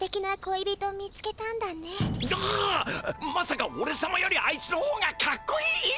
まさかおれさまよりあいつの方がかっこいい！？